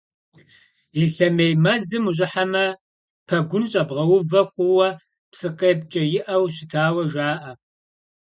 Ислъэмей мэзым ущӀыхьэмэ, пэгун щӀэбгъэувэ хъууэ псыкъепкӀэ иӀэу щытауэ жаӀэ.